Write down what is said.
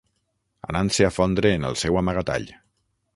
...anant-se a fondre en el seu amagatall.